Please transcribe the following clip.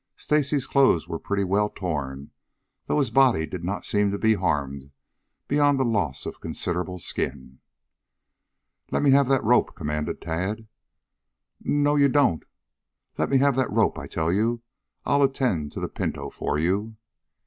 Stacy's clothes were pretty well torn, though his body did not seem to be harmed beyond the loss of considerable skin. "Let me have that rope," commanded Tad. "N n no you don't." "Let me have that rope, I tell you. I'll attend to the pinto for you."